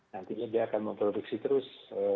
nantinya dia akan memproduksi terus